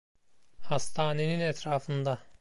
Hastanenin etrafında!